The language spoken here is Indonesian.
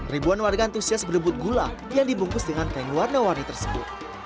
ribuan warga antusias berebut gula yang dibungkus dengan kain warna warni tersebut